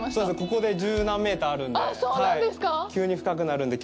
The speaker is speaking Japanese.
ここで十何メーターあるので。